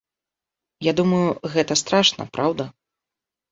Я думаю, гэта страшна, праўда?